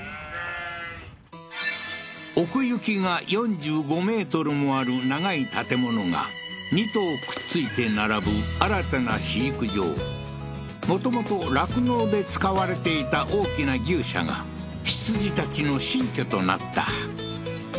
奥行きが４５メートルもある長い建物が２棟くっついて並ぶ新たな飼育場もともと酪農で使われていた大きな牛舎が羊たちの新居となった